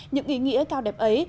những ý nghĩa cao đẹp ấy